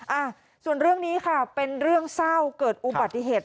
อ่าส่วนเรื่องนี้ค่ะเป็นเรื่องเศร้าเกิดอุบัติเหตุ